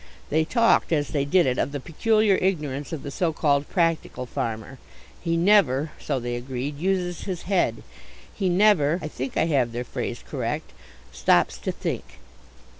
They talked as they did it of the peculiar ignorance of the so called practical farmer. He never so they agreed uses his head. He never I think I have their phrase correct stops to think.